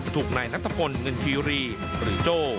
ถูกในนักทฟนเงินทียุรีหรือโจ้